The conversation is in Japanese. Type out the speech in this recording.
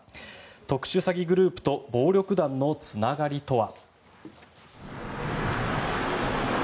特殊詐欺グループと暴力団のつながりとは。